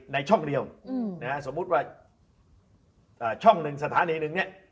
ในช่องเดียวนะฮะสมมุติว่าช่องหนึ่งสถานีหนึ่งเนี่ย